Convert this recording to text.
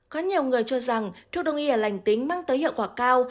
có nhiều người cho rằng thuốc đồng nghi là lành tính mang tới hiệu quả cao